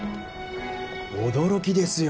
驚きですよ